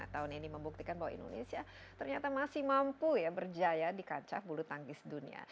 tahun ini membuktikan bahwa indonesia ternyata masih mampu ya berjaya di kancah bulu tangkis dunia